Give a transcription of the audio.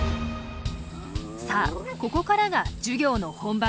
さあここからが授業の本番。